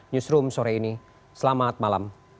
newsroom sore ini selamat malam